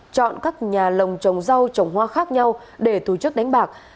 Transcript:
chọn các nhà lồng trồng rau trồng hoa khác nhau để tổ chức đánh bạc